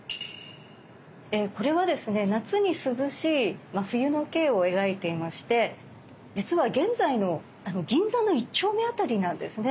これはですね夏に涼しい冬の景を描いていまして実は現在の銀座の一丁目辺りなんですね。